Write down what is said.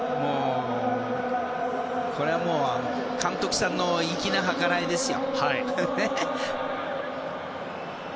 これはもう監督さんの粋な計らいですよ。